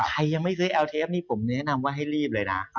ใครยังไม่เคยเอาเทปนี่ผมแนะนำว่าให้รีบเลยนะ